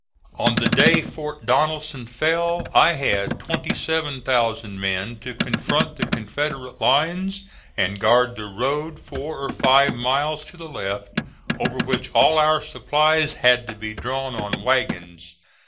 On the day Fort Donelson fell I had 27,000 men to confront the Confederate lines and guard the road four or five miles to the left, over which all our supplies had to be drawn on wagons.